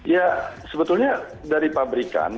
ya sebetulnya dari pabrikan